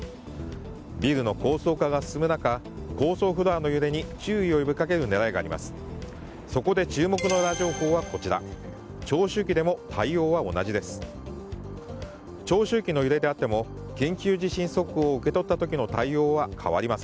ビルの高層化が進む中高層フロアの揺れに注意を呼びかける狙いがあります。